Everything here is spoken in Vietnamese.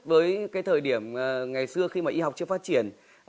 với cái thời điểm ngày xưa khi mà y học chưa phát triển